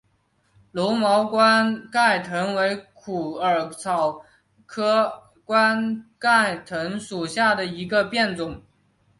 柔毛冠盖藤为虎耳草科冠盖藤属下的一个变种。